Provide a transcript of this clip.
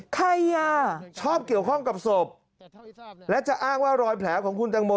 ใครอ่ะชอบเกี่ยวข้องกับศพและจะอ้างว่ารอยแผลของคุณตังโม